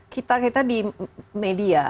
kita di media